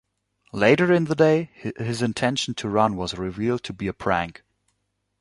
Later in the day his intention to run was revealed to be a prank.